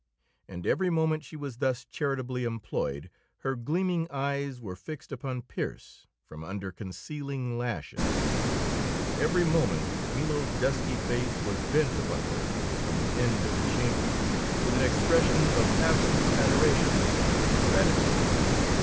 And every moment she was thus charitably employed her gleaming eyes were fixed upon Pearse from under concealing lashes; every moment Milo's dusky face was bent upon her from the end of the chamber with an expression of absolute adoration and gratitude.